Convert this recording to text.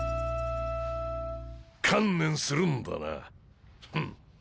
観念するんだなフン。